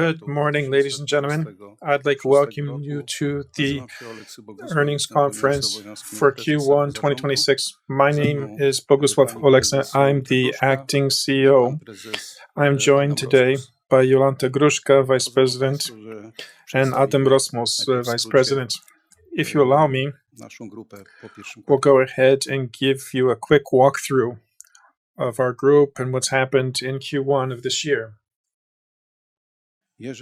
Good morning, ladies and gentlemen. I'd like to welcome you to the Earnings Conference for Q1 2026. My name is Bogusław Oleksy, I'm the acting CEO. I'm joined today by Jolanta Gruszka, vice president, and Adam Rozmus, vice president. If you allow me, we'll go ahead and give you a quick walkthrough of our group and what's happened in Q1 of this year. If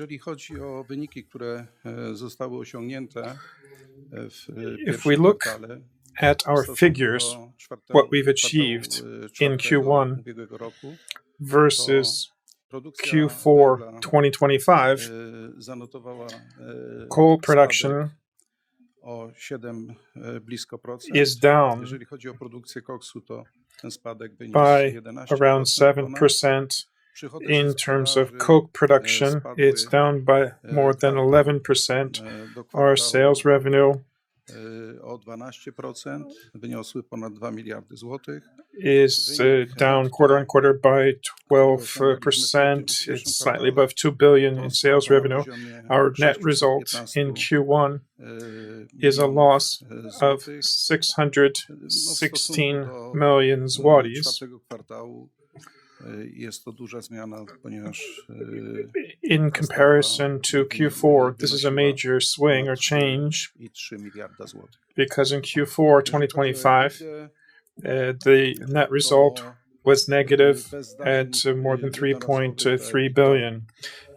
we look at our figures, what we've achieved in Q1 versus Q4 2025, coal production is down by around 7%. In terms of coke production, it's down by more than 11%. Our sales revenue is down quarter-on-quarter by 12%. It's slightly above 2 billion in sales revenue. Our net result in Q1 is a loss of 616 million zlotys. In comparison to Q4, this is a major swing or change, because in Q4 2025, the net result was negative at more than 3.3 billion.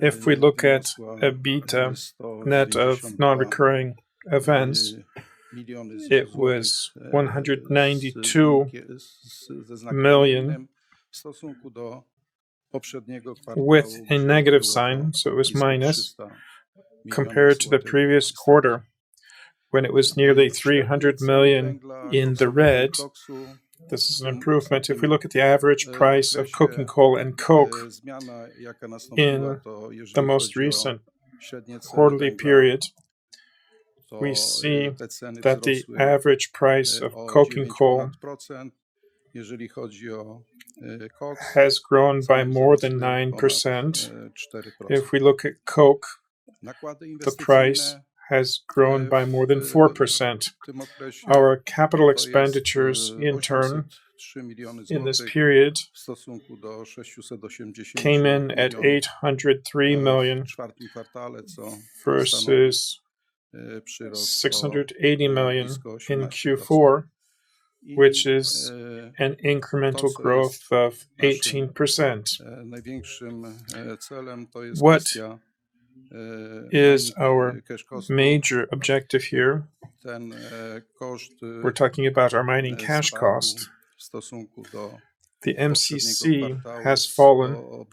If we look at EBITDA net of non-recurring events, it was PLN 192 million with a negative sign, so it was minus, compared to the previous quarter when it was nearly 300 million in the red. This is an improvement. If we look at the average price of coking coal and coke in the most recent quarterly period, we see that the average price of coking coal has grown by more than 9%. If we look at coke, the price has grown by more than 4%. Our capital expenditures in turn in this period came in at 803 million versus 680 million in Q4, which is an incremental growth of 18%. What is our major objective here? We're talking about our mining cash cost. The MCC has fallen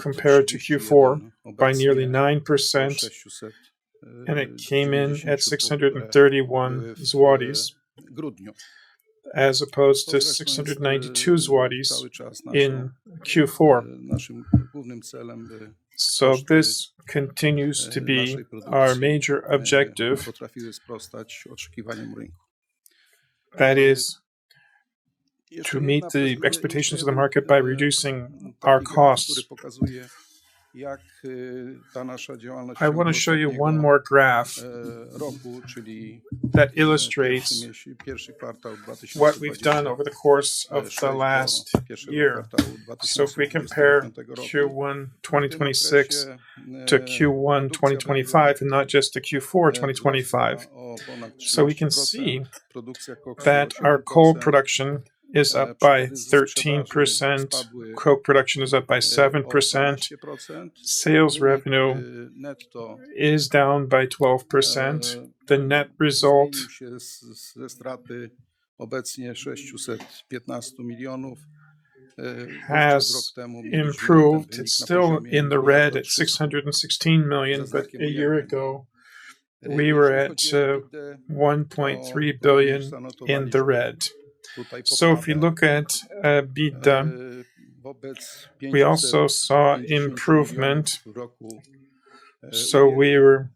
compared to Q4 by nearly 9%, and it came in at 631 zlotys as opposed to 692 zlotys in Q4. This continues to be our major objective. That is to meet the expectations of the market by reducing our costs. I want to show you one more graph that illustrates what we've done over the course of the last year, if we compare Q1 2026 to Q1 2025, and not just to Q4 2025. We can see that our coal production is up by 13%, coke production is up by 7%, sales revenue is down by 12%. The net result has improved. It's still in the red at 616 million, but a year ago we were at 1.3 billion in the red. If you look at EBITDA, we also saw improvement. We were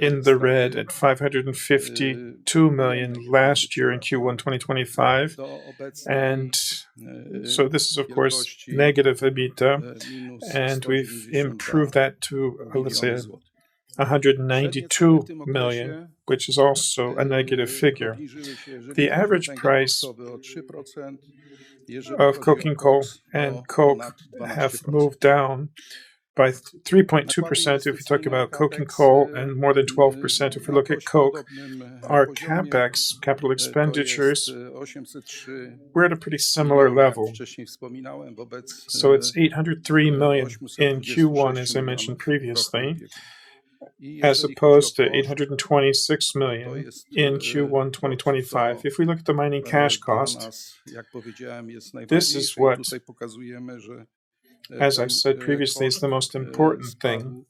in the red at 552 million last year in Q1 2025. This is of course negative EBITDA, we've improved that to, let's say, 192 million, which is also a negative figure. The average price of coking coal and coke have moved down by 3.2% if we talk about coking coal, more than 12% if we look at coke. Our CapEx, capital expenditures, we're at a pretty similar level. It's 803 million in Q1, as I mentioned previously, as opposed to 826 million in Q1 2025. If we look at the mining cash costs, this is what, as I said previously, is the most important thing,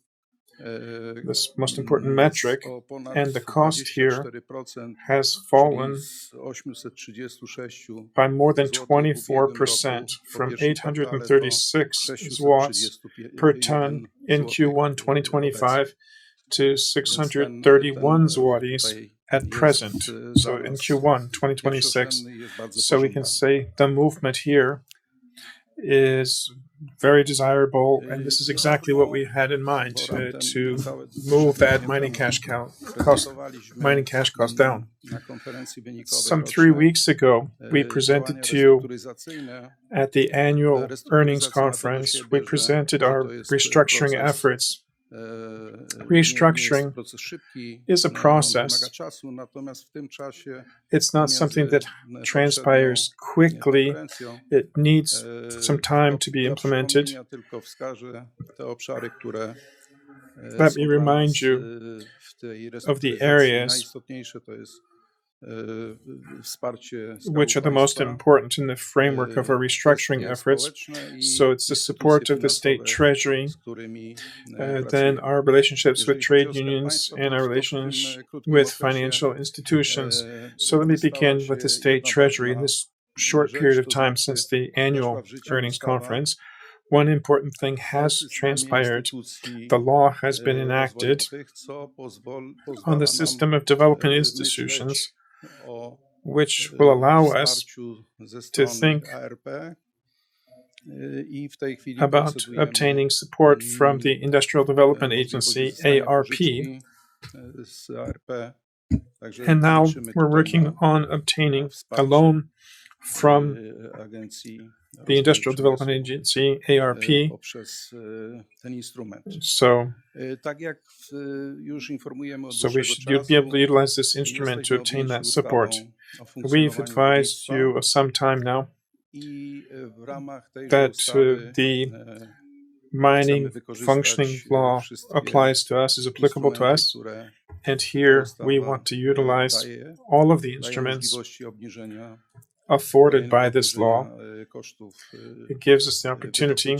this most important metric. The cost here has fallen by more than 24% from 836 per ton in Q1 2025 to 631 zlotys at present, so in Q1 2026. We can say the movement here is very desirable, and this is exactly what we had in mind to move that mining cash cost down. Some three weeks ago, at the annual earnings conference, we presented our restructuring efforts. Restructuring is a process. It's not something that transpires quickly. It needs some time to be implemented. Let me remind you of the areas which are the most important in the framework of our restructuring efforts. It's the support of the State Treasury, then our relationships with trade unions, and our relationships with financial institutions. Let me begin with the State Treasury. In this short period of time since the annual earnings conference, one important thing has transpired. The law has been enacted on the system of developing institutions, which will allow us to think about obtaining support from the Industrial Development Agency, ARP. Now we're working on obtaining a loan from the Industrial Development Agency, ARP. We should be able to utilize this instrument to obtain that support. We've advised you some time now that the Mining Functioning Law applies to us, is applicable to us, and here we want to utilize all of the instruments afforded by this law. It gives us the opportunity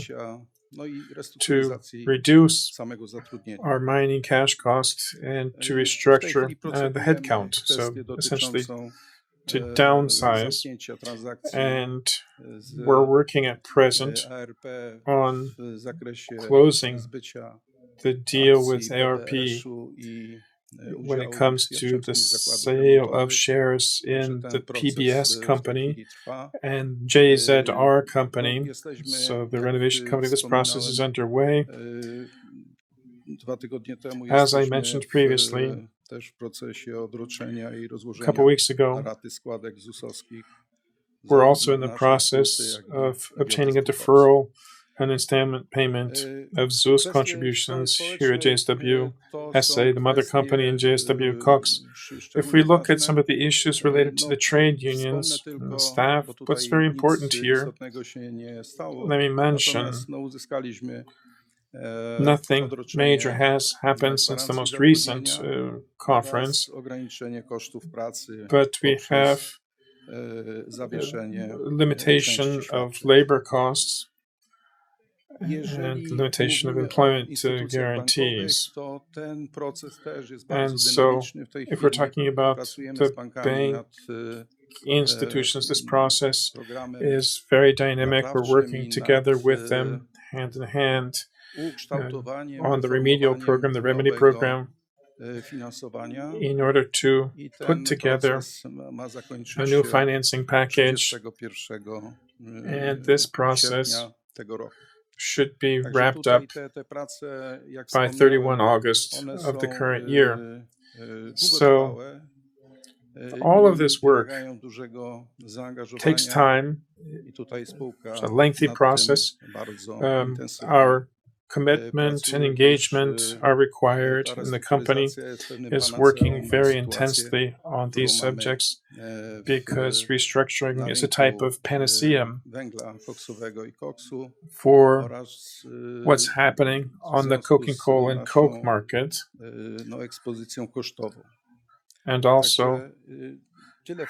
to reduce our mining cash costs and to restructure the headcount. Essentially to downsize, and we're working at present on closing the deal with ARP when it comes to the sale of shares in the PBSz company and JZR company, so the renovation company. This process is underway. As I mentioned previously, a couple of weeks ago, we're also in the process of obtaining a deferral and installment payment of ZUS contributions here at JSW SA, the mother company, and JSW Koks. If we look at some of the issues related to the trade unions and staff, what's very important here, let me mention, nothing major has happened since the most recent conference, but we have limitation of labor costs and limitation of employment guarantees. If we're talking about the bank institutions, this process is very dynamic. We're working together with them hand in hand on the remedial program, the remedy program, in order to put together a new financing package, and this process should be wrapped up by August 31st of the current year. All of this work takes time. It's a lengthy process. Our commitment and engagement are required, and the company is working very intensely on these subjects, because restructuring is a type of panacea for what's happening on the coking coal and coke market, and also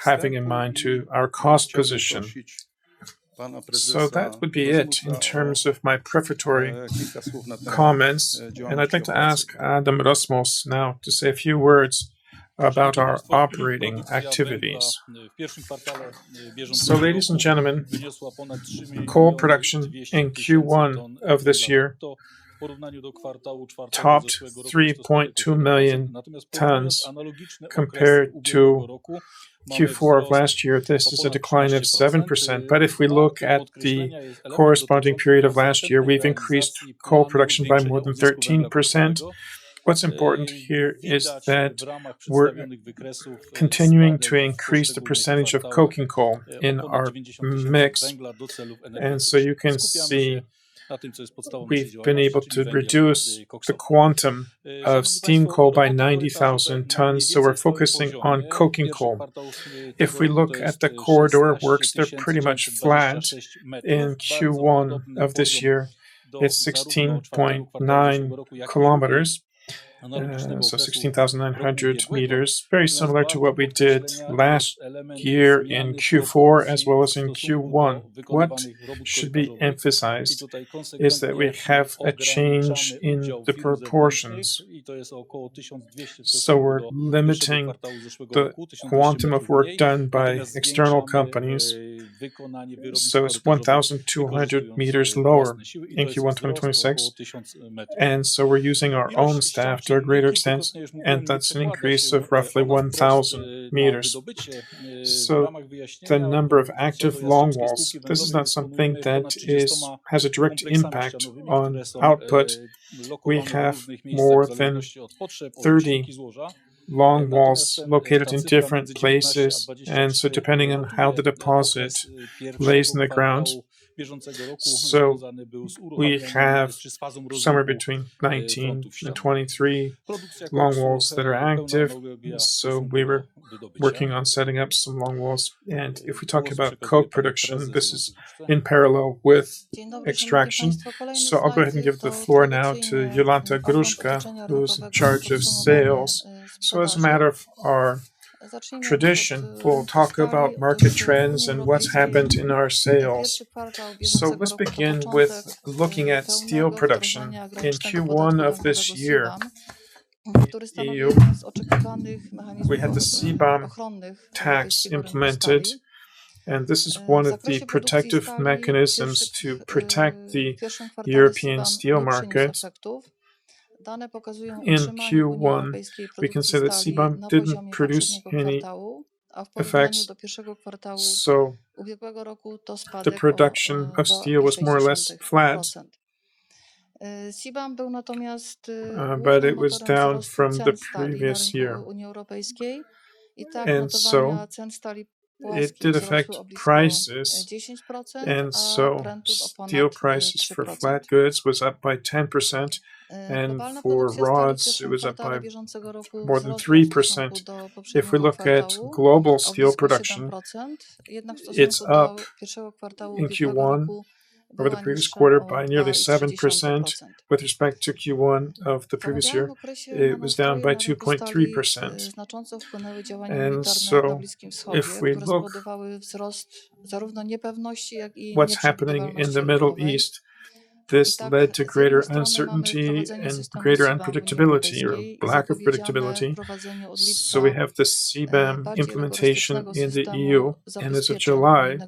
having in mind too our cost position. That would be it in terms of my prefatory comments, and I'd like to ask Adam Rozmus now to say a few words about our operating activities. Ladies and gentlemen, coal production in Q1 of this year topped 3.2 million tons compared to Q4 of last year. This is a decline of 7%, but if we look at the corresponding period of last year, we've increased coal production by more than 13%. What's important here is that we're continuing to increase the percentage of coking coal in our mix, and so you can see we've been able to reduce the quantum of steam coal by 90,000 tons. We're focusing on coking coal. If we look at the corridor works, they're pretty much flat. In Q1 of this year, it's 16.9 km, so 16,900 meters. Very similar to what we did last year in Q4 as well as in Q1. What should be emphasized is that we have a change in the proportions. We're limiting the quantum of work done by external companies. It's 1,200 meters lower in Q1 2026, we're using our own staff to a greater extent, and that's an increase of roughly 1,000 meters. The number of active longwalls, this is not something that has a direct impact on output. We have more than 30 longwalls located in different places, depending on how the deposit lays in the ground, we have somewhere between 19 and 23 longwalls that are active. We were working on setting up some longwalls. If we talk about coke production, this is in parallel with extraction. I'll go ahead and give the floor now to Jolanta Gruszka, who's in charge of sales. As a matter of our tradition, we'll talk about market trends and what's happened in our sales. Let's begin with looking at steel production in Q1 of this year. In the EU, we had the CBAM tax implemented, and this is one of the protective mechanisms to protect the European steel market. In Q1, we can say that CBAM didn't produce any effects, so the production of steel was more or less flat. It was down from the previous year. It did affect prices, and so steel prices for flat goods was up by 10%, and for rods, it was up by more than 3%. If we look at global steel production, it's up in Q1 over the previous quarter by nearly 7%. With respect to Q1 of the previous year, it was down by 2.3%. If we look what's happening in the Middle East, this led to greater uncertainty and greater unpredictability or lack of predictability. We have this CBAM implementation in the EU, and as of July,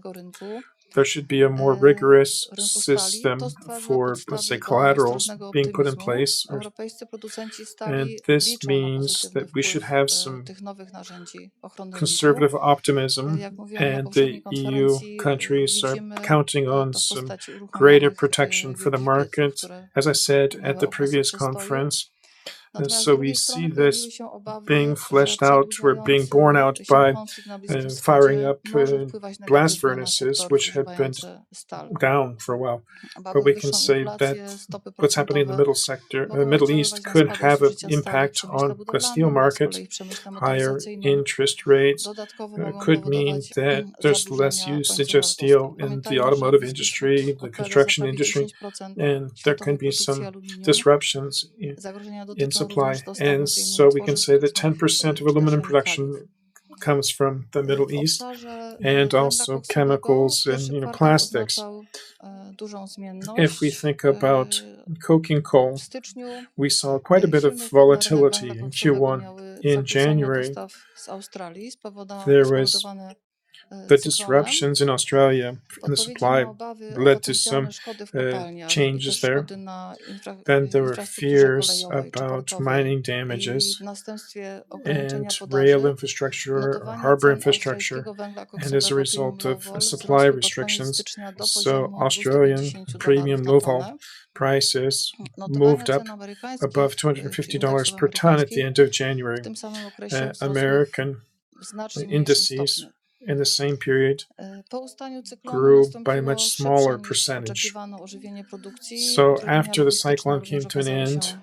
there should be a more rigorous system for, let's say, collaterals being put in place, and this means that we should have some conservative optimism, and the EU countries are counting on some greater protection for the market, as I said at the previous conference. We see this being fleshed out or being borne out by firing up blast furnaces which have been down for a while. We can say that what's happening in the Middle East could have an impact on the steel market. Higher interest rates could mean that there's less usage of steel in the automotive industry, the construction industry, and there can be some disruptions in supply. We can say that 10% of aluminum production comes from the Middle East and also chemicals and plastics. If we think about coking coal, we saw quite a bit of volatility in Q1. In January, there were the disruptions in Australia, and the supply led to some changes there. There were fears about mining damages and rail infrastructure, harbor infrastructure, and as a result of supply restrictions. Australian Premium Low Vol prices moved up above $250 per ton at the end of January. American indices in the same period grew by a much smaller percentage. After the cyclone came to an end,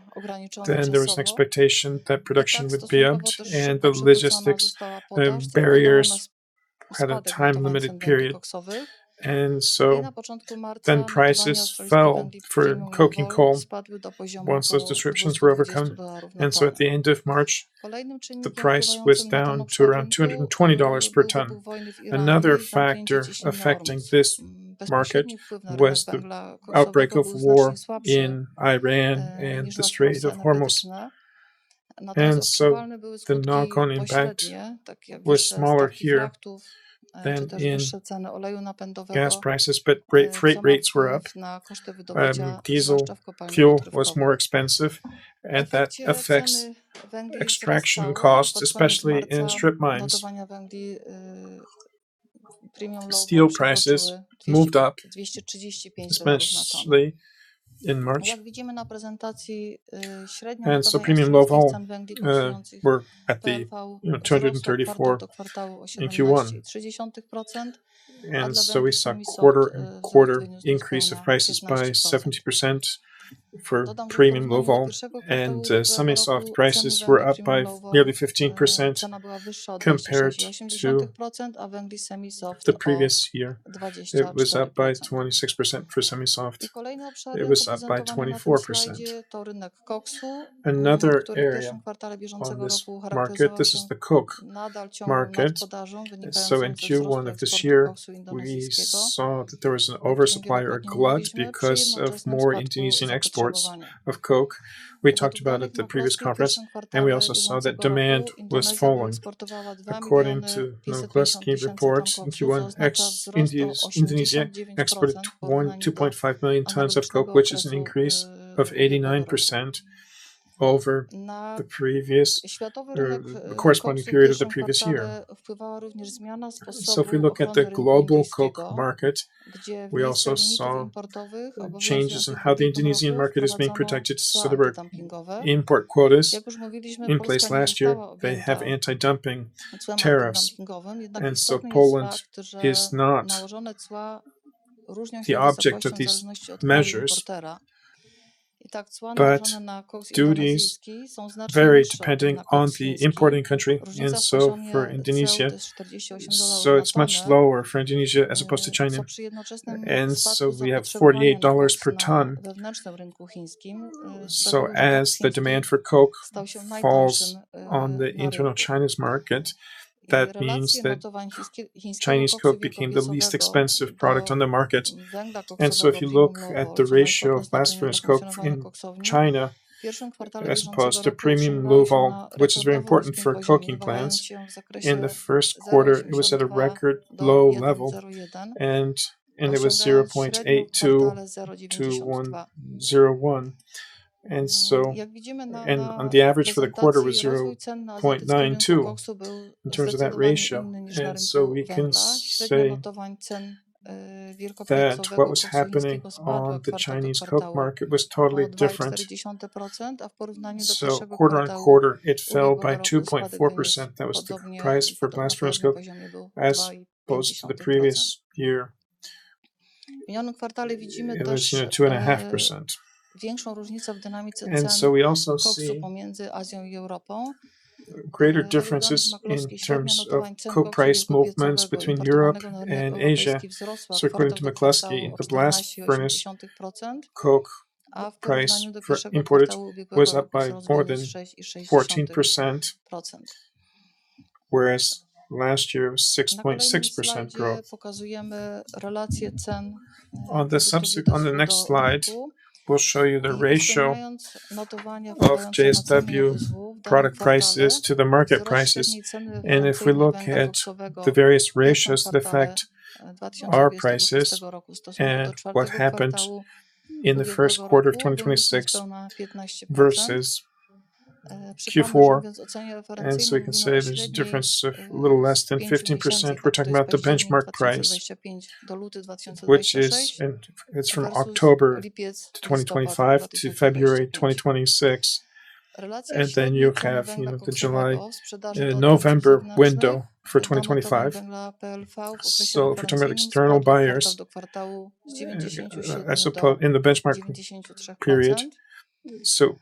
there was an expectation that production would be up, and the logistics barriers had a time-limited period. Prices fell for coking coal once those disruptions were overcome. At the end of March, the price was down to around $220 per ton. Another factor affecting this market was the outbreak of war in Iran and the Strait of Hormuz. The knock-on impact was smaller here than in gas prices. Freight rates were up. Diesel fuel was more expensive, and that affects extraction costs, especially in strip mines. Steel prices moved up, especially in March. Premium Low-Vol were at $234 in Q1. We saw quarter increase of prices by 70% for Premium Low-Vol, and Semi-soft prices were up by nearly 15% compared to the previous year. It was up by 26% for Semi-soft. It was up by 24%. Another area on this market, this is the coke market. In Q1 of this year, we saw that there was an oversupply or glut because of more Indonesian exports of coke. We talked about at the previous conference, and we also saw that demand was falling. According to Gillespie reports, in Q1 Indonesia exported 2.5 million tons of coke, which is an increase of 89% over the corresponding period of the previous year. If we look at the global coke market, we also saw changes in how the Indonesian market is being protected. There were import quotas in place last year. They have anti-dumping tariffs, and so Poland is not the object of these measures. Coal noted on the international costs are much higher than the Polish costs. In comparison, these $48 a tonne, which at the same time we have a decrease in demand for coke on the Chinese internal market, The Chinese coke became the most expensive product on the market. The relationship of Chinese coke notings relative to that, to coke oven blast furnace coke in China, as opposed to the Premium Low-Vol, which is very important for coking plants. In the first quarter, it was at a record low level, it was 0.82 to 101. On the average for the quarter was 0.92 in terms of that ratio. We can say that what was happening on the Chinese coke market was totally different. Quarter-on-quarter, it fell by 2.4%. That was the price for blast furnace coke as opposed to the previous year. It was 2.5%. We also see greater differences in terms of coke price movements between Europe and Asia. According to McCloskey, the blast furnace coke price for imported was up by more than 14%, whereas last year it was 6.6% growth. On the next slide, we'll show you the ratio of JSW product prices to the market prices. If we look at the various ratios that affect our prices and what happened in the first quarter of 2026 versus Q4, we can say there's a difference of a little less than 15%. We're talking about the benchmark price, and it's from October 2025 to February 2026. You have the July-November window for 2025. If we're talking about external buyers in the benchmark period,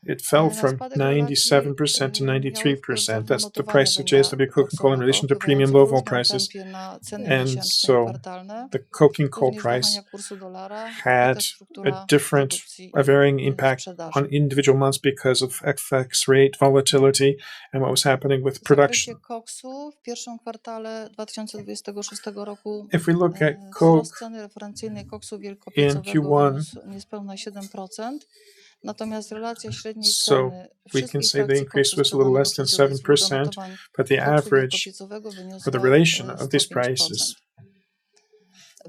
it fell from 97%-93%. That's the price of JSW coking coal in relation to Premium Low-Vol prices. The coking coal price had a different, a varying impact on individual months because of FX rate volatility and what was happening with production. If we look at coke in Q1, we can say the increase was a little less than 7%, but the average for the relation of these prices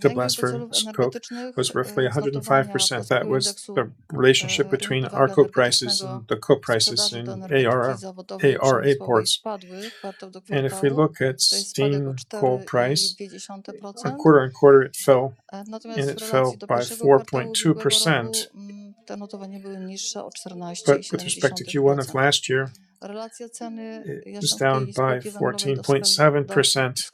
to blast furnace coke was roughly 105%. That was the relationship between our coke prices and the coke prices in ARA ports. If we look at steam coal price from quarter on quarter it fell, and it fell by 4.2%. With respect to Q1 of last year, it is down by 14.7%.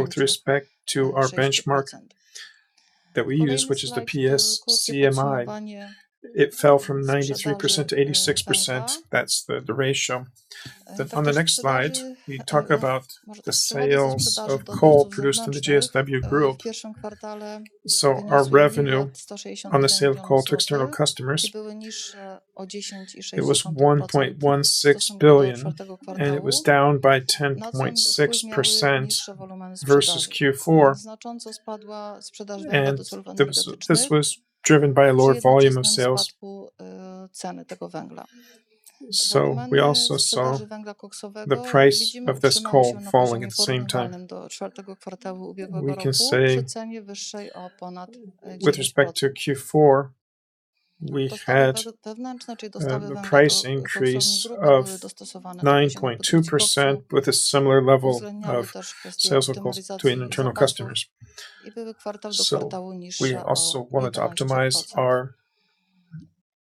With respect to our benchmark that we use, which is the PSCMI, it fell from 90%-86%, that's the ratio. On the next slide, we talk about the sales of coal produced in the JSW Group. Our revenue on the sale of coal to external customers, it was 1.16 billion, and it was down by 10.6% versus Q4. This was driven by a lower volume of sales. We also saw the price of this coal falling at the same time. We can say with respect to Q4, we had a price increase of 9.2% with a similar level of sales of coal to internal customers. We also wanted to optimize our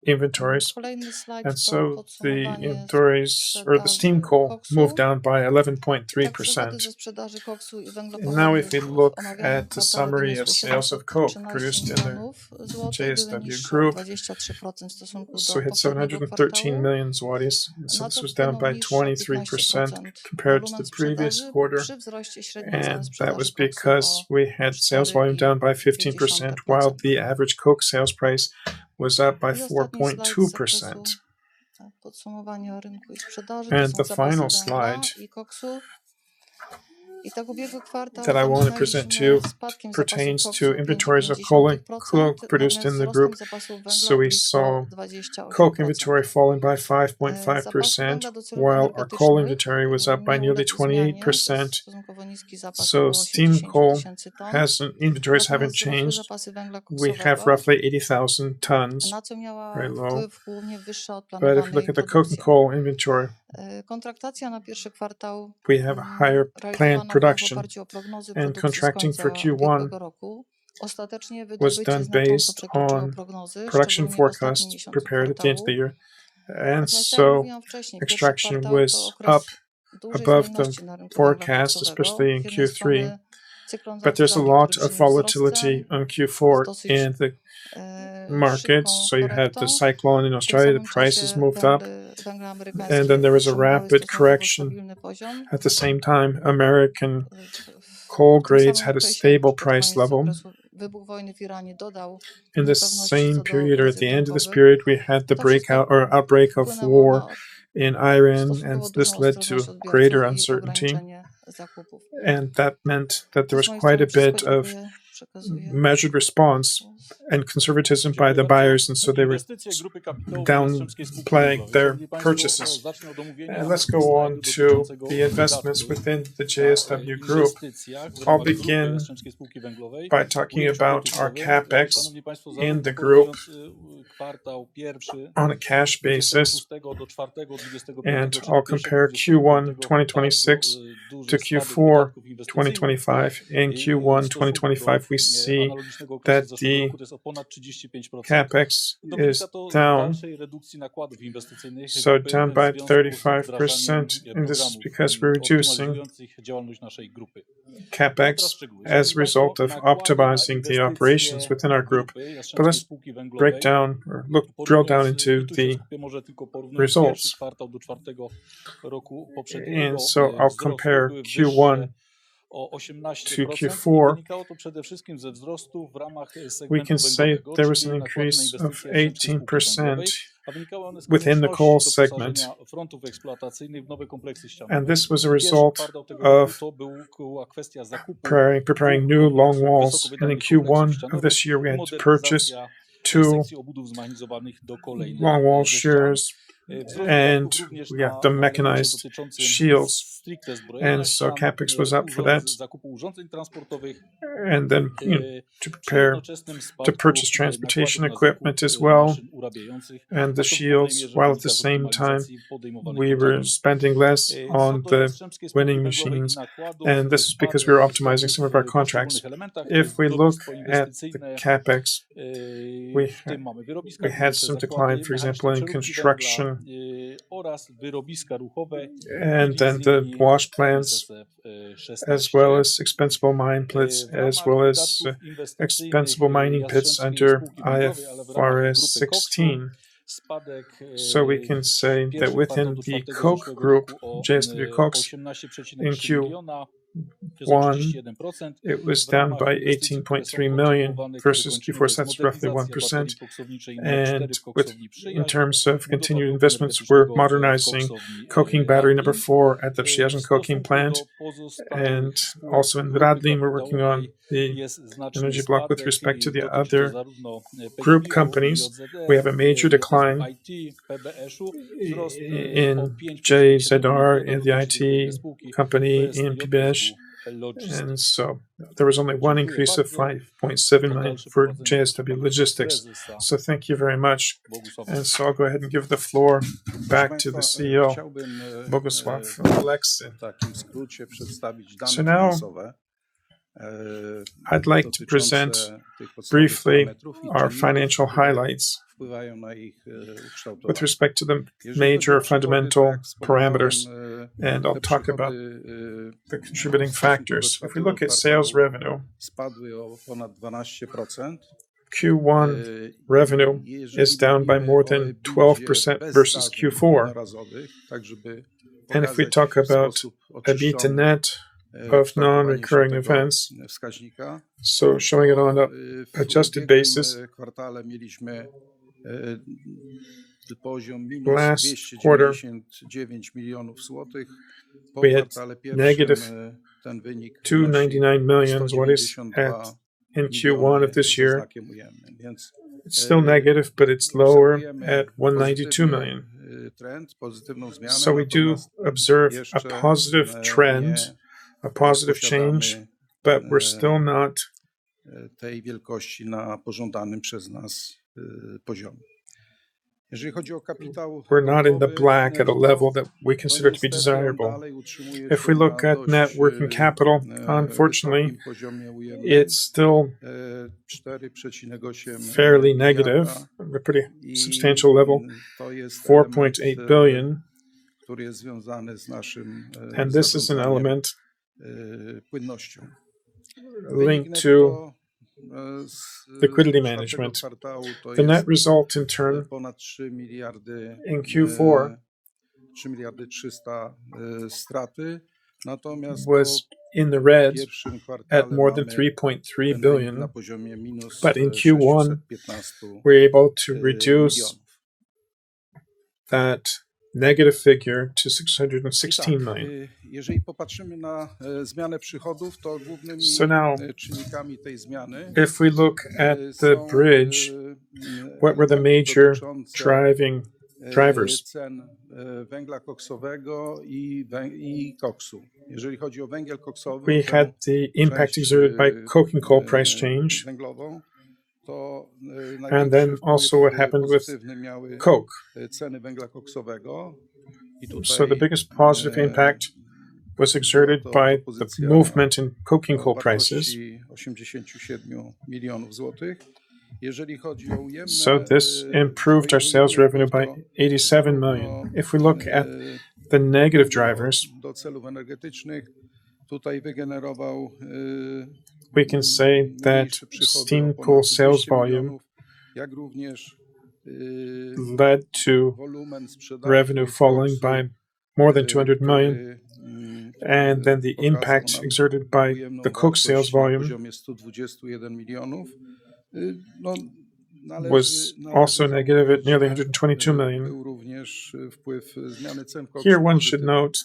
inventories. The inventories or the steam coal moved down by 11.3%. If we look at the summary of sales of coke produced in the JSW group. We had 713 million zlotys, this was down by 23% compared to the previous quarter. That was because we had sales volume down by 15%, while the average coke sales price was up by 4.2%. The final slide that I want to present to you pertains to inventories of coal produced in the group. We saw coke inventory falling by 5.5%, while our coal inventory was up by nearly 28%. Steam coal inventories haven't changed. We have roughly 80,000 tonnes, very low. If you look at the coking coal inventory, we have a higher planned production. Contracting for Q1 was done based on production forecast prepared at the end of the year. Extraction was up above the forecast, especially in Q3. There's a lot of volatility in Q4 in the market. You had the cyclone in Australia, the prices moved up, and then there was a rapid correction. At the same time, American coal grades had a stable price level. In the same period or at the end of this period, we had the outbreak of war in Iran. This led to greater uncertainty. That meant that there was quite a bit of measured response and conservatism by the buyers. They were downplaying their purchases. Let's go on to the investments within the JSW Group. I'll begin by talking about our CapEx in the group on a cash basis. I'll compare Q1 2026 to Q4 2025. In Q1 2025, we see that the CapEx is down. Down by 35%. This is because we're reducing CapEx as a result of optimizing the operations within our group. Let's drill down into the results. I'll compare Q1 to Q4. We can say there was an increase of 18% within the coal segment. This was a result of preparing new longwalls. In Q1 of this year, we had to purchase two longwall shearers and we have the mechanized shields. Our CapEx was up for that. To purchase transportation equipment as well and the shields, while at the same time we were spending less on the mining machines, and this is because we were optimizing some of our contracts. If we look at the CapEx, we had some decline, for example, in construction and then the wash plants as well as expansible mining pits under IFRS 16. We can say that within the coke group, JSW Koks, in Q1, it was down by 18.3 million versus Q4, so that's roughly 1%. In terms of continued investments, we're modernizing coking battery number four at the Przeworsk Coking Plant and also in Radlin we're working on the energy block. With respect to the other group companies, we have a major decline in JSW, in the IT company, in PBSz. There was only one increase of 5.7 million for JSW Logistics. Thank you very much. I'll go ahead and give the floor back to the CEO, Bogusław Oleksy. Now I'd like to present briefly our financial highlights with respect to the major fundamental parameters, and I'll talk about the contributing factors. If we look at sales revenue, Q1 revenue is down by more than 12% versus Q4. If we talk about EBITDA net of non-recurring events, showing it on an adjusted basis, last quarter we had -299 million. What is it at in Q1 of this year? It's still negative, but it's lower at 192 million. We do observe a positive trend, a positive change, but we're not in the black at a level that we consider to be desirable. If we look at net working capital, unfortunately, it's still fairly negative at a pretty substantial level, 4.8 billion, and this is an element linked to liquidity management. The net result in turn in Q4 was in the red at more than 3.3 billion. In Q1, we were able to reduce that negative figure to 616 million. Now, if we look at the bridge, what were the major driving drivers? We had the impact exerted by coking coal price change, and then also what happened with coke. The biggest positive impact was exerted by the movement in coking coal prices. This improved our sales revenue by 87 million. If we look at the negative drivers, we can say that steam coal sales volume led to revenue falling by more than 200 million, and then the impact exerted by the coke sales volume was also negative at nearly 122 million. Here, one should note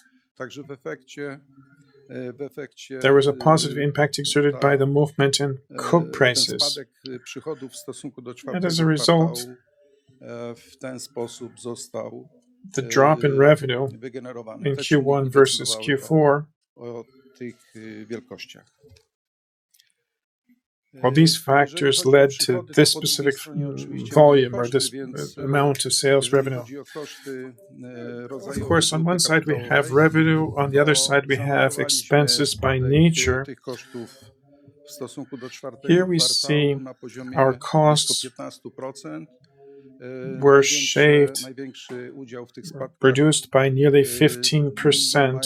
there was a positive impact exerted by the movement in coke prices. As a result, the drop in revenue in Q1 versus Q4. While these factors led to this specific volume or this amount of sales revenue, of course, on one side we have revenue, on the other side we have expenses by nature. Here we see our costs were reduced by nearly 15%.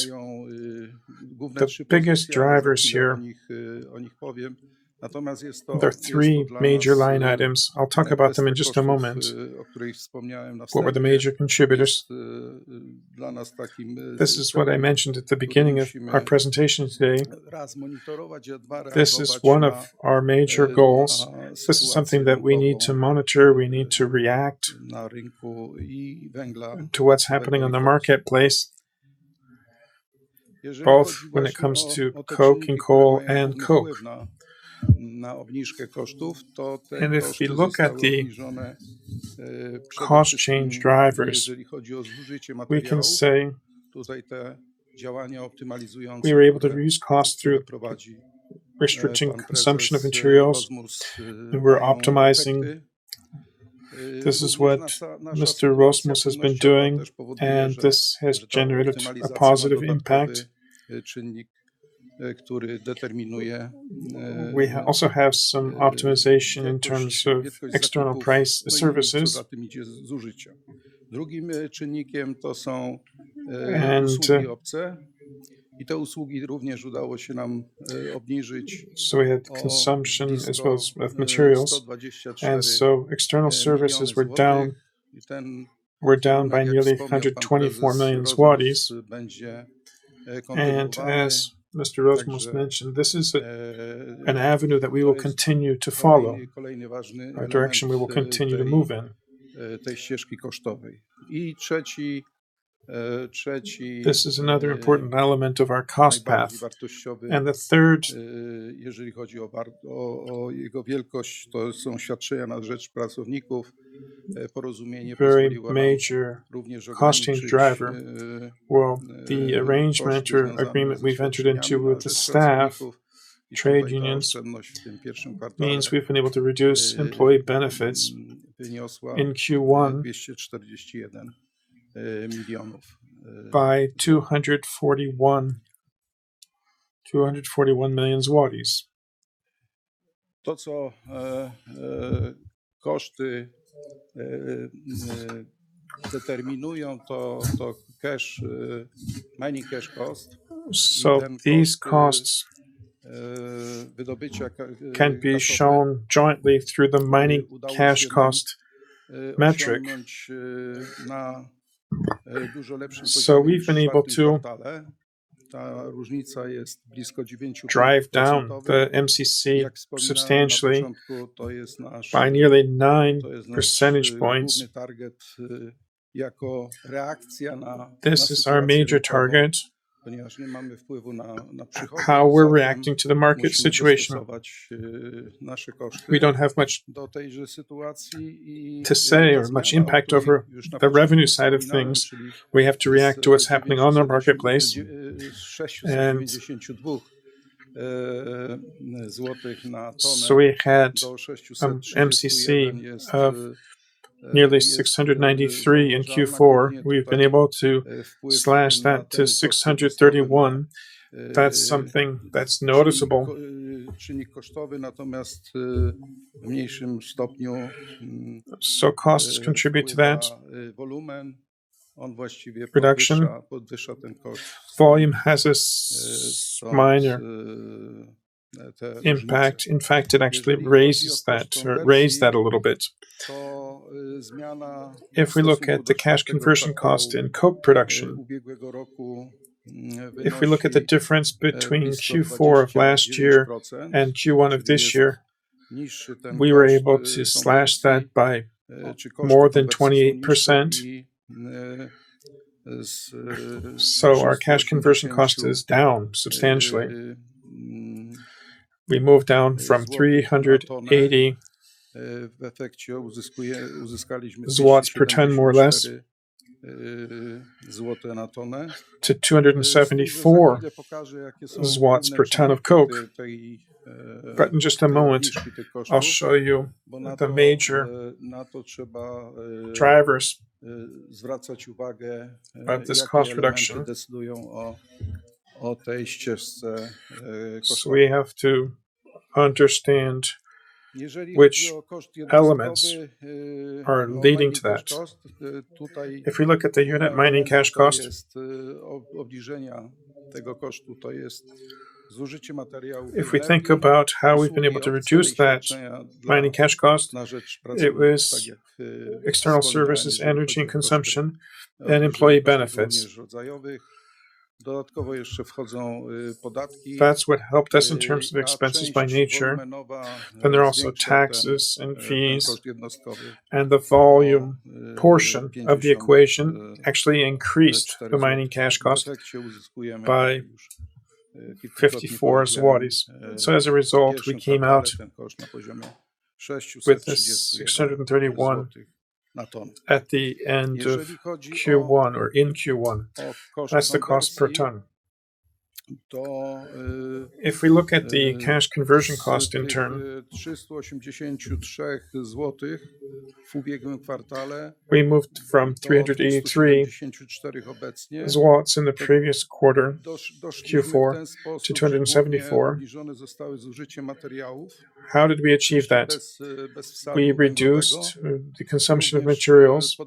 The biggest drivers here, there are three major line items. I'll talk about them in just a moment. What were the major contributors? This is what I mentioned at the beginning of our presentation today. This is one of our major goals. This is something that we need to monitor, we need to react to what's happening on the marketplace, both when it comes to coking coal and coke. If we look at the cost change drivers, we can say we were able to reduce costs through restricting consumption of materials, and we're optimizing. This is what Mr. Rozmus has been doing, and this has generated a positive impact. We also have some optimization in terms of external price services. So we had consumption as well as materials, and so external services were down by nearly 124 million zlotys. As Mr. Rozmus mentioned, this is an avenue that we will continue to follow, a direction we will continue to move in. This is another important element of our cost path. The third very major cost change driver, while the arrangement or agreement we've entered into with the staff trade unions means we've been able to reduce employee benefits in Q1 by PLN 241 million. These costs can be shown jointly through the mining cash cost metric. We've been able to drive down the MCC substantially by nearly nine percentage points. This is our major target, how we're reacting to the market situation. We don't have much to say or much impact over the revenue side of things. We have to react to what's happening on the marketplace. We had some MCC of nearly 693 in Q4. We've been able to slash that to 631. That's something that's noticeable. Costs contribute to that production. Volume has a minor impact. In fact, it actually raised that a little bit. If we look at the cash conversion cost in coke production, if we look at the difference between Q4 of last year and Q1 of this year, we were able to slash that by more than 28%. Our cash conversion cost is down substantially. We moved down from 380 PLN per ton, more or less, to 274 PLN per ton of coke. In just a moment, I'll show you the major drivers of this cost reduction. We have to understand which elements are leading to that. If we look at the unit mining cash cost, if we think about how we've been able to reduce that mining cash cost, it was external services, energy consumption, and employee benefits. That's what helped us in terms of expenses by nature. There are also taxes and fees, and the volume portion of the equation actually increased the mining cash cost by 54 zlotys. As a result, we came out with this 631 at the end of Q1 or in Q1. That's the cost per ton. If we look at the cash conversion cost in turn, we moved from 383 in the previous quarter, Q4, to 274. How did we achieve that? We reduced the consumption of materials.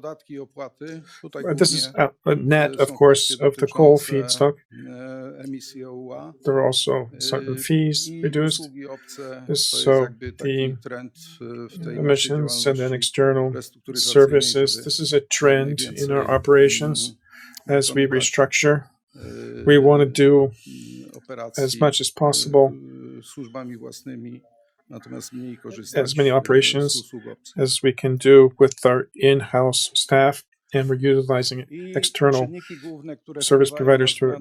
This is net, of course, of the coal feedstock. There are also certain fees reduced. The emissions and then external services, this is a trend in our operations as we restructure. We want to do as much as possible, as many operations as we can do with our in-house staff, and we're utilizing external service providers to a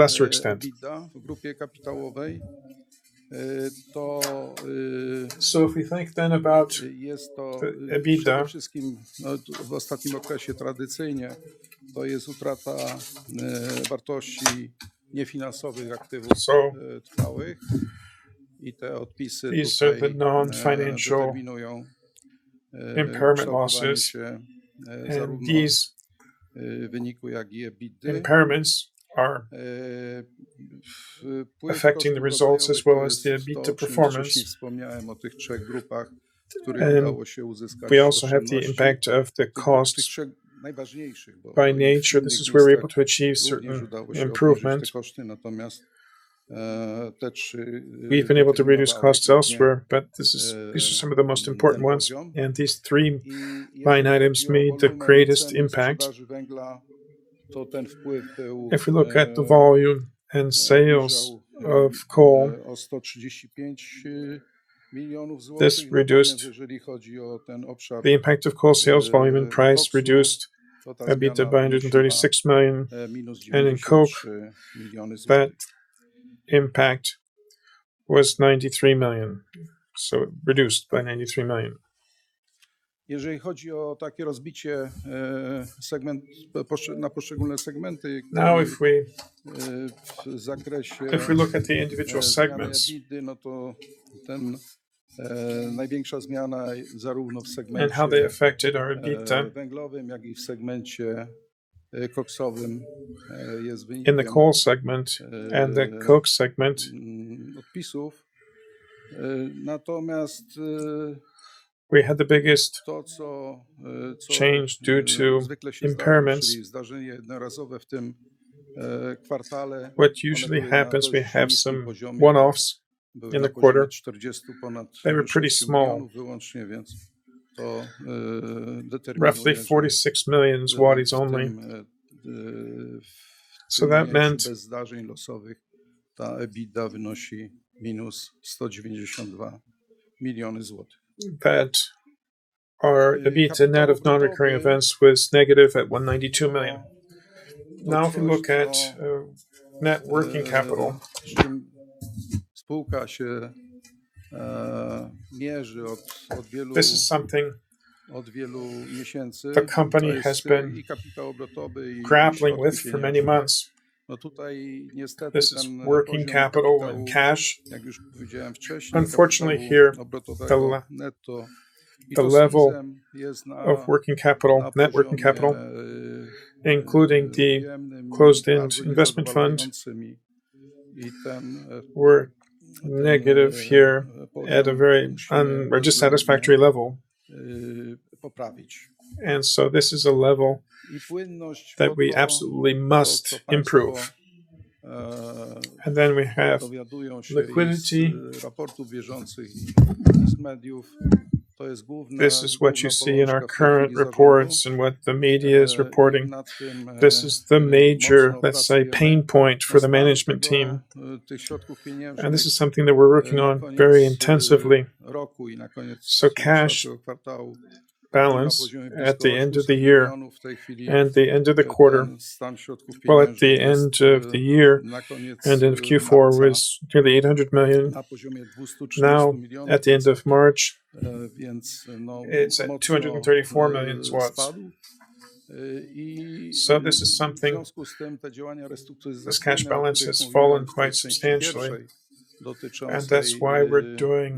lesser extent. If we think then about the EBITDA, these are the non-financial impairment losses and these impairments are affecting the results as well as the EBITDA performance. We also have the impact of the cost by nature. This is where we're able to achieve certain improvements. We've been able to reduce costs elsewhere, but these are some of the most important ones, and these three line items made the greatest impact. If we look at the volume and sales of coal, this reduced the impact of coal sales volume and price, reduced EBITDA by 136 million. In coke, that impact was 93 million, so it reduced by 93 million. If we look at the individual segments and how they affected our EBITDA, in the coal segment and the coke segment, we had the biggest change due to impairments. What usually happens, we have some one-offs in the quarter. They were pretty small, roughly 46 million only. That meant that our EBITDA net of non-recurring events was negative at 192 million. If we look at net working capital, this is something the company has been grappling with for many months. This is working capital and cash. Unfortunately, here, the level of working capital, net working capital, including the closed-end investment fund, were negative here at a very unsatisfactory level. This is a level that we absolutely must improve. We have liquidity. This is what you see in our current reports and what the media is reporting. This is the major, let's say, pain point for the management team, and this is something that we're working on very intensively. Cash balance at the end of the year and the end of the quarter. At the end of the year and in Q4 was nearly 800 million. At the end of March, it's at 234 million. This is something, this cash balance has fallen quite substantially, and that's why we're doing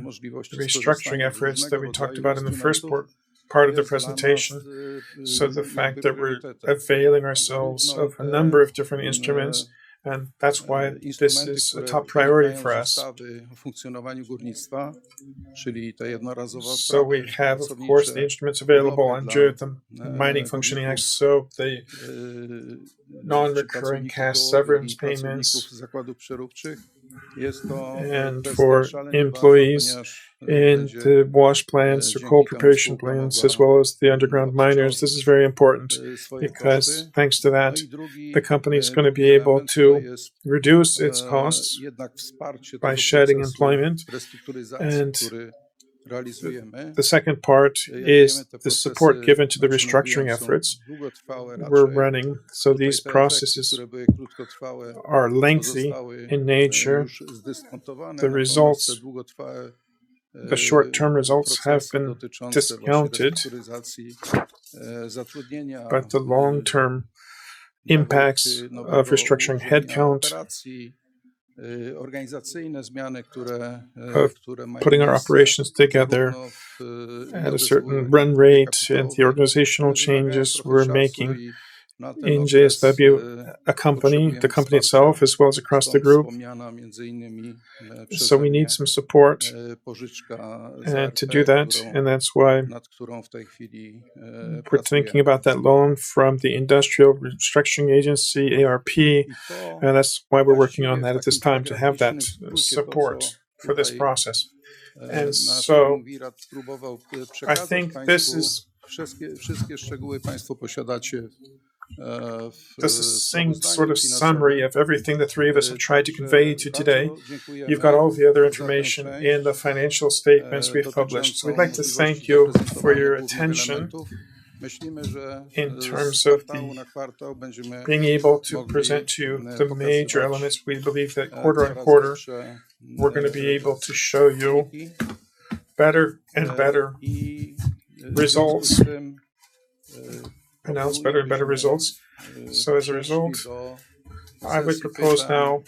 restructuring efforts that we talked about in the first part of the presentation. The fact that we're availing ourselves of a number of different instruments, and that's why this is a top priority for us. We have, of course, the instruments available under the Mining Functioning Act. The non-recurring cash severance payments and for employees in the wash plants or coal preparation plants, as well as the underground miners. This is very important because thanks to that, the company's going to be able to reduce its costs by shedding employment. The second part is the support given to the restructuring efforts we're running. These processes are lengthy in nature. The short-term results have been discounted, but the long-term impacts of restructuring headcount, of putting our operations together at a certain run rate and the organizational changes we're making in JSW, the company itself, as well as across the group. We need some support and to do that, and that's why we're thinking about that loan from the Industrial Development Agency, ARP, and that's why we're working on that at this time to have that support for this process. I think this is the same sort of summary of everything the three of us have tried to convey to you today. You've got all the other information in the financial statements we've published. We'd like to thank you for your attention in terms of being able to present to you the major elements. We believe that quarter-on-quarter, we're going to be able to show you better and better results, announce better and better results. As a result, I would propose now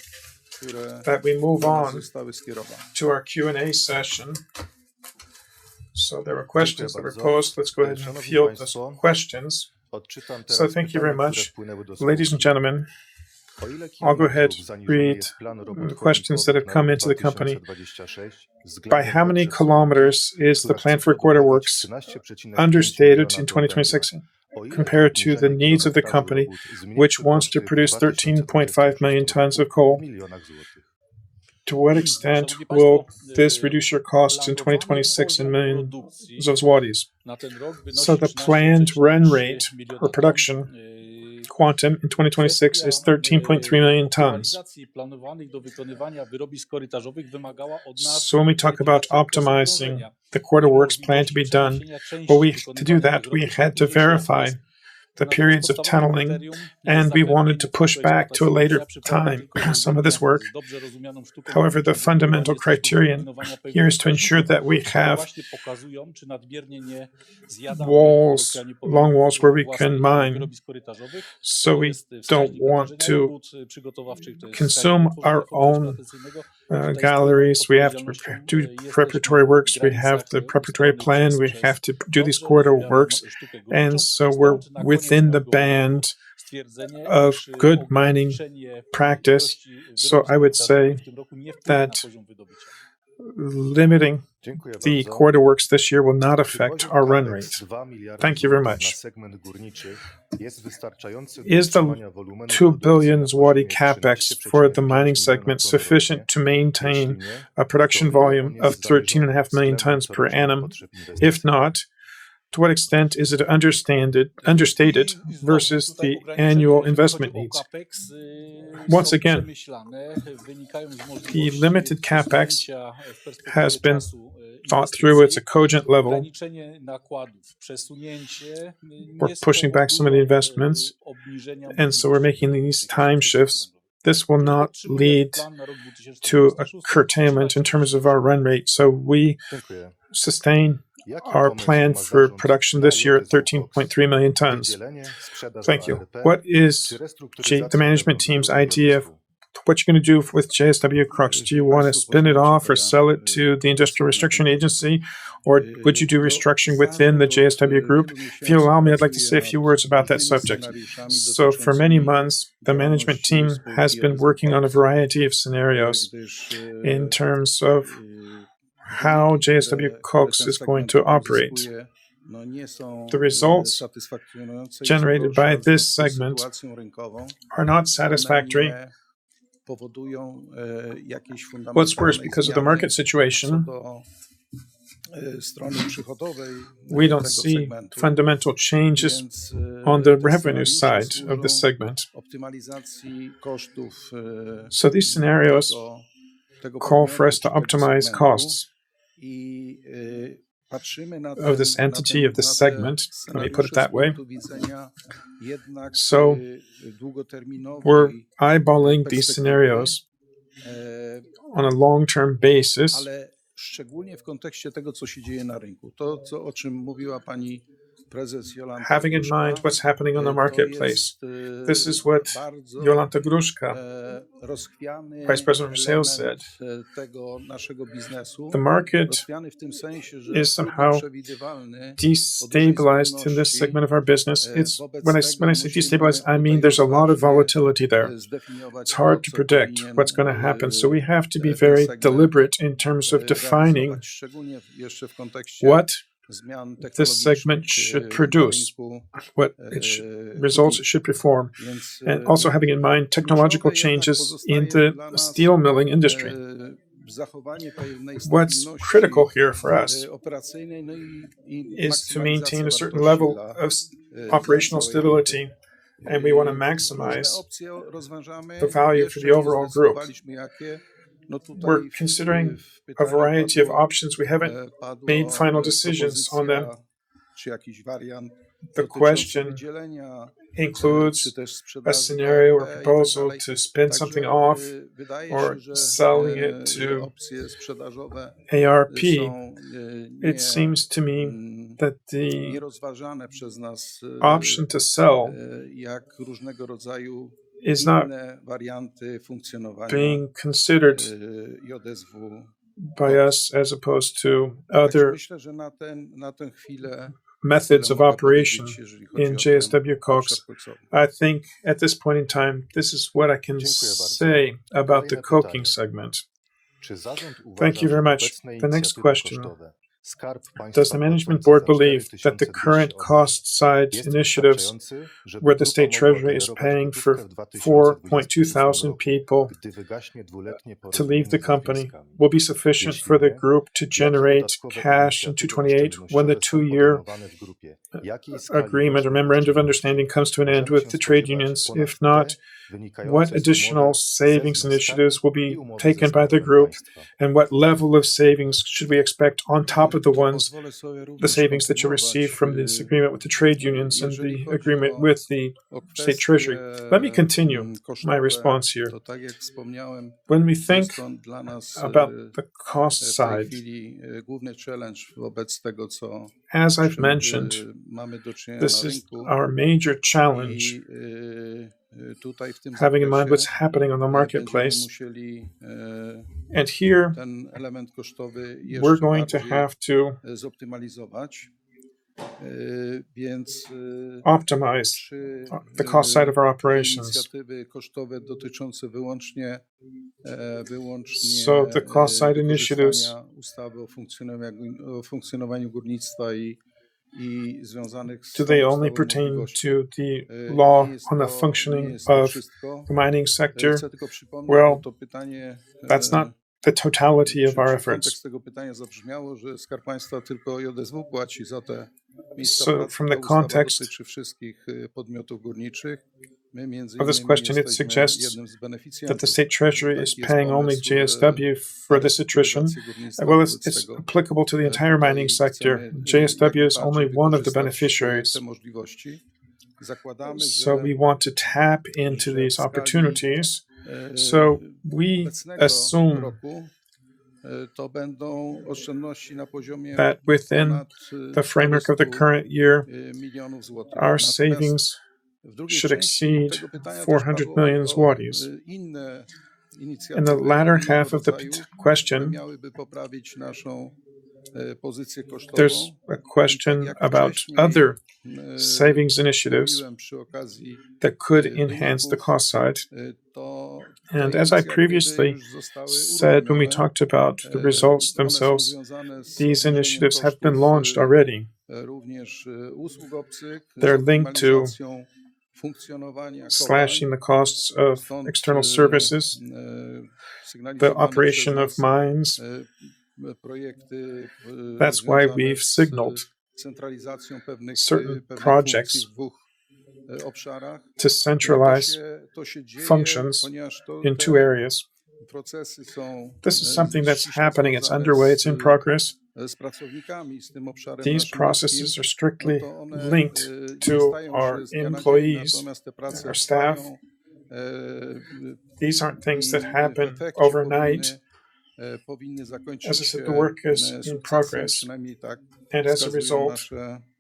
that we move on to our Q&A session. There are questions that were posed. Let's go ahead and field those questions. Thank you very much, ladies and gentlemen. I'll go ahead, read the questions that have come into the company. By how many kilometers is the plan for corridor works understated in 2026 compared to the needs of the company, which wants to produce 13.5 million tons of coal? To what extent will this reduce your costs in 2026 in million zlotys? The planned run rate or production quantum in 2026 is 13.3 million tons. When we talk about optimizing the corridor works plan to be done, to do that, we had to verify the periods of tunneling, and we wanted to push back to a later time some of this work. However, the fundamental criterion here is to ensure that we have longwalls where we can mine. We don't want to consume our own galleries. We have to do preparatory works. We have the preparatory plan. We have to do these corridor works, we're within the band of good mining practice. I would say that limiting the corridor works this year will not affect our run rate. Thank you very much. Is the 2 billion zloty CapEx for the mining segment sufficient to maintain a production volume of 13.5 million tons per annum? If not, to what extent is it understated versus the annual investment needs? Once again, the limited CapEx has been thought through at a cogent level. We're pushing back some of the investments, we're making these time shifts. This will not lead to a curtailment in terms of our run rate. We sustain our plan for production this year at 13.3 million tons. Thank you. What is the management team's idea of what you're going to do with JSW Koks? Do you want to spin it off or sell it to the Industrial Development Agency, or would you do restructuring within the JSW Group? If you allow me, I'd like to say a few words about that subject. For many months, the management team has been working on a variety of scenarios in terms of how JSW Koks is going to operate. The results generated by this segment are not satisfactory. What's worse, because of the market situation, we don't see fundamental changes on the revenue side of this segment. These scenarios call for us to optimize costs of this entity, of this segment. Let me put it that way. We're eyeballing these scenarios on a long-term basis. Having in mind what's happening on the marketplace, this is what Jolanta Gruszka, Vice President of Sales, said. The market is somehow destabilized in this segment of our business. When I say destabilized, I mean there's a lot of volatility there. It's hard to predict what's going to happen, so we have to be very deliberate in terms of defining what this segment should produce, what results it should perform, and also having in mind technological changes in the steel milling industry. What's critical here for us is to maintain a certain level of operational stability, and we want to maximize the value for the overall group. We're considering a variety of options. We haven't made final decisions on them. The question includes a scenario or proposal to spin something off or selling it to ARP. It seems to me that the option to sell is not being considered by us as opposed to other methods of operation in JSW Koks. I think at this point in time, this is what I can say about the coking segment. Thank you very much. The next question: Does the management board believe that the current cost side initiatives, where the state treasury is paying for 4,200 people to leave the company, will be sufficient for the group to generate cash in 2028 when the two-year agreement or memorandum of understanding comes to an end with the trade unions? If not, what additional savings initiatives will be taken by the group, and what level of savings should we expect on top of the savings that you receive from this agreement with the trade unions and the agreement with the state treasury? Let me continue my response here. When we think about the cost side, as I've mentioned, this is our major challenge, having in mind what's happening on the marketplace. Here, we're going to have to optimize the cost side of our operations. The cost side initiatives, do they only pertain to the Act on the Functioning of the Mining Sector? Well, that's not the totality of our efforts. From the context of this question, it suggests that the state treasury is paying only JSW for this attrition. Well, it's applicable to the entire mining sector. JSW is only one of the beneficiaries, so we want to tap into these opportunities. We assume that within the framework of the current year, our savings should exceed 400 million zlotys. In the latter half of the question, there's a question about other savings initiatives that could enhance the cost side. As I previously said when we talked about the results themselves, these initiatives have been launched already. They're linked to slashing the costs of external services, the operation of mines. That's why we've signaled certain projects to centralize functions in two areas. This is something that's happening. It's underway. It's in progress. These processes are strictly linked to our employees and our staff. These aren't things that happen overnight. As I said, the work is in progress, and as a result,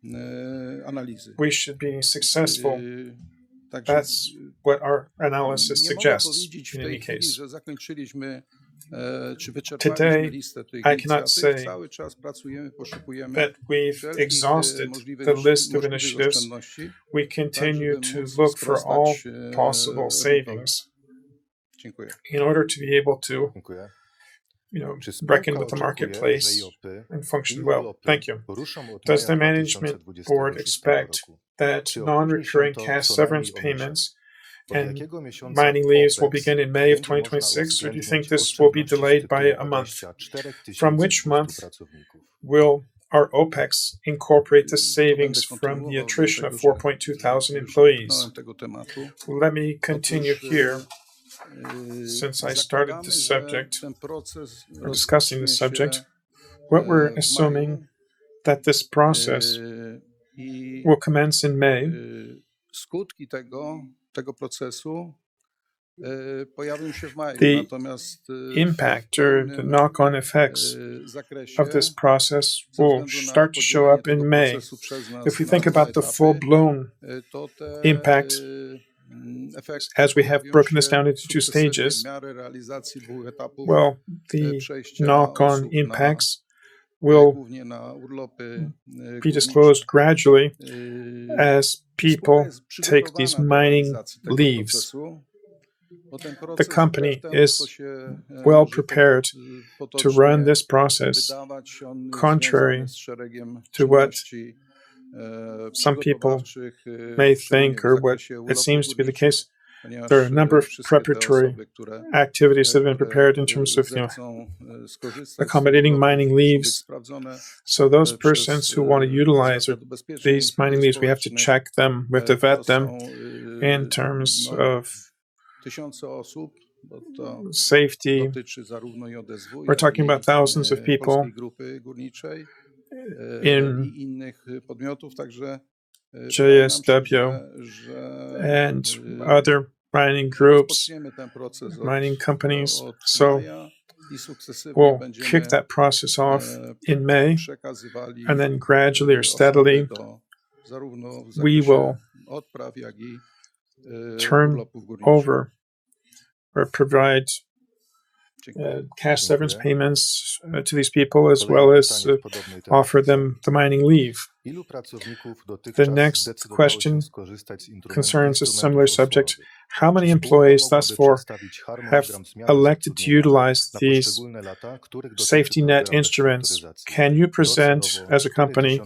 we should be successful. That's what our analysis suggests, in any case. Today, I cannot say that we've exhausted the list of initiatives. We continue to look for all possible savings in order to be able to reckon with the marketplace and function well. Thank you. Does the management board expect that non-recurring cash severance payments and mining leaves will begin in May of 2026, or do you think this will be delayed by a month? From which month will our OpEx incorporate the savings from the attrition of 4,200 employees? Let me continue here since I started discussing this subject. What we're assuming, that this process will commence in May. The impact or the knock-on effects of this process will start to show up in May. If we think about the full-blown impact, as we have broken this down into two stages, well, the knock-on impacts will be disclosed gradually as people take these mining leaves. The company is well-prepared to run this process, contrary to what some people may think or what it seems to be the case. There are a number of preparatory activities that have been prepared in terms of accommodating mining leaves. Those persons who want to utilize these mining leaves, we have to check them. We have to vet them in terms of safety. We're talking about thousands of people in JSW and other mining groups, mining companies. We'll kick that process off in May, and then gradually or steadily, we will turn over or provide cash severance payments to these people, as well as offer them the mining leave. The next question concerns a similar subject. How many employees thus far have elected to utilize these safety net instruments? Can you present, as a company,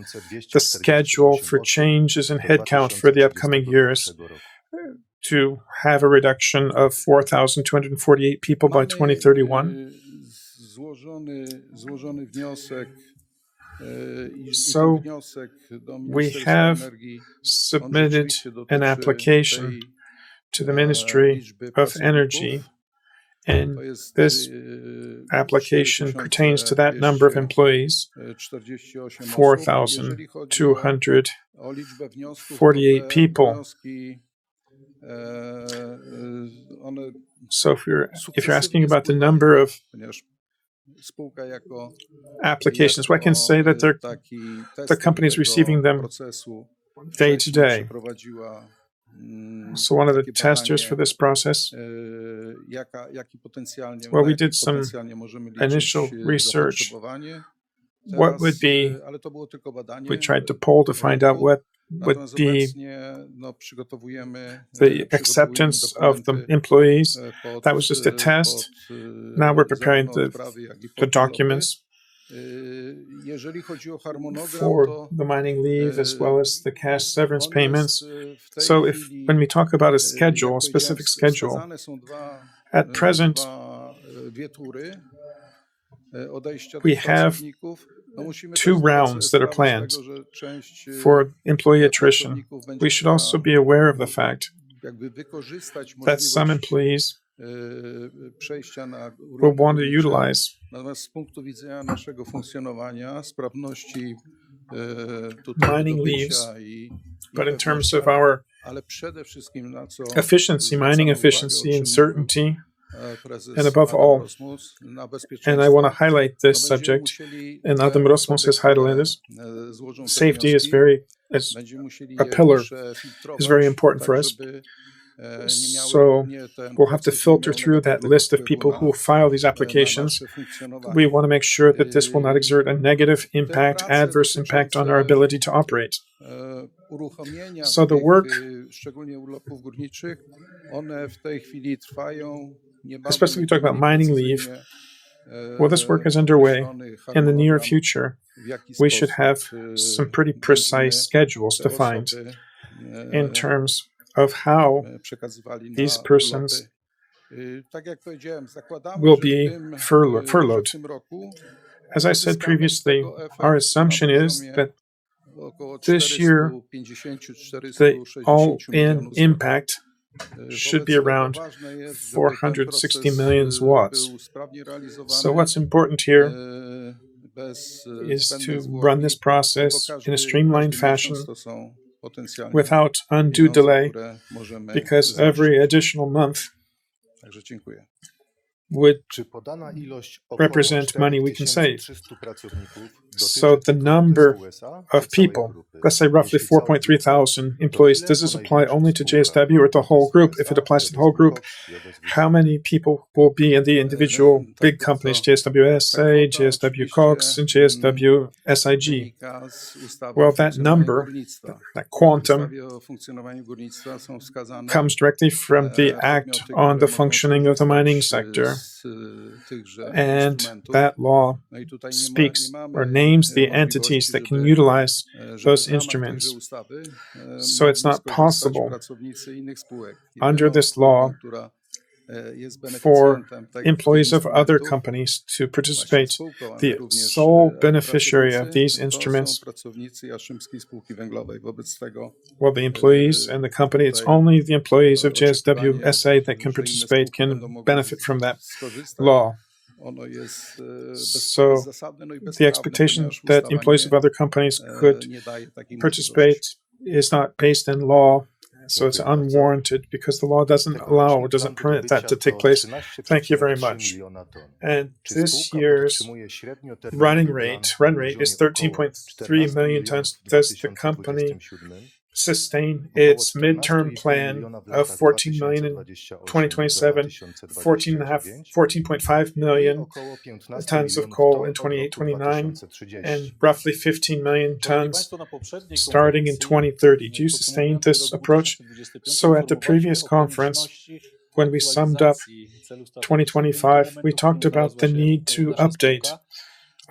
the schedule for changes in headcount for the upcoming years to have a reduction of 4,248 people by 2031? We have submitted an application to the Ministry of Energy, and this application pertains to that number of employees, 4,248 people. If you're asking about the number of applications, well, I can say that the company is receiving them day to day. One of the testers for this process, well, we did some initial research. We tried to poll to find out what would be the acceptance of the employees. That was just a test. Now we're preparing the documents for the mining leave, as well as the cash severance payments. When we talk about a specific schedule, at present, we have two rounds that are planned for employee attrition. We should also be aware of the fact that some employees will want to utilize mining leaves. In terms of our mining efficiency and certainty, and above all, and I want to highlight this subject, and Adam Rozmus has highlighted this, safety as a pillar is very important for us. We'll have to filter through that list of people who will file these applications. We want to make sure that this will not exert a negative impact, adverse impact on our ability to operate. The work, especially when we talk about mining leave, well, this work is underway. In the near future, we should have some pretty precise schedules defined in terms of how these persons will be furloughed. As I said previously, our assumption is that this year, the all-in impact should be around 460 million. What's important here is to run this process in a streamlined fashion without undue delay, because every additional month would represent money we can save. The number of people, let's say roughly 4,300 employees, does this apply only to JSW or the whole group? If it applies to the whole group, how many people will be in the individual big companies, JSW S.A., JSW Koks, and JSW SIG? Well, that number, that quantum, comes directly from the Act on the Functioning of the Mining Sector. That law speaks or names the entities that can utilize those instruments. It's not possible under this law for employees of other companies to participate. The sole beneficiary of these instruments were the employees and the company. It's only the employees of JSW S.A. that can participate, can benefit from that law. The expectation that employees of other companies could participate is not based in law. It's unwarranted because the law doesn't allow or doesn't permit that to take place. Thank you very much. This year's run rate is 13.3 million tons. Does the company sustain its midterm plan of 14 million in 2027, 14.5 million tons of coal in 2028, 2029, roughly 15 million tons starting in 2030? Do you sustain this approach? At the previous conference, when we summed up 2025, we talked about the need to update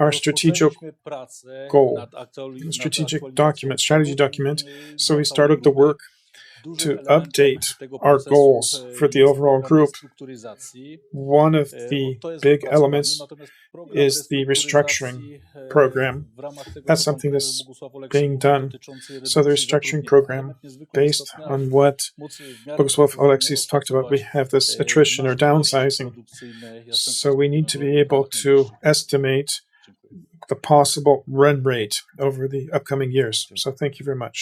our strategic goal, strategic document, strategy document. We started the work to update our goals for the overall group. One of the big elements is the restructuring program. That's something that's being done. The restructuring program, based on what Bogusław Oleksy talked about, we have this attrition or downsizing. We need to be able to estimate the possible run rate over the upcoming years. Thank you very much.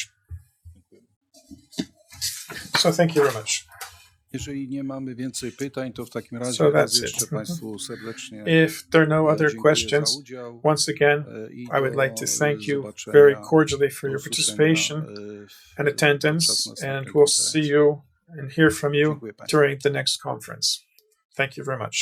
Thank you very much. That's it. If there are no other questions, once again, I would like to thank you very cordially for your participation and attendance, and we'll see you and hear from you during the next conference. Thank you very much.